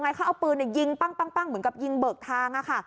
เขาเอาปืนยิงปั้งเหมือนกับยิงเบิกทางอะค่ะ